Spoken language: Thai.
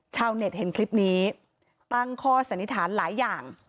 ชาวเน็ตเห็นคลิปนี้ตั้งข้อสันนิษฐานหลายอย่าง